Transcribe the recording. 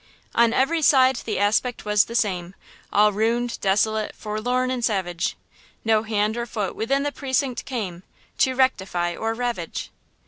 On every side the aspect was the same, All ruined, desolate, forlorn and savage, No hand or foot within the precinct came To rectify or ravage!